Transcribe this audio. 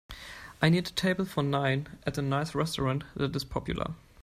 I need a table for nine at a nice restaurant that is popular